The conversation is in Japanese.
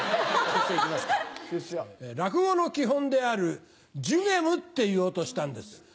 落語の基本である『寿限無』って言おうとしたんです。